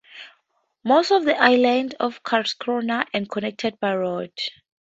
Most of the islands of Karlskrona are connected by roads.